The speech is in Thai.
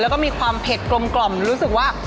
แล้วก็มีความเผ็ดกลมรู้สึกว่า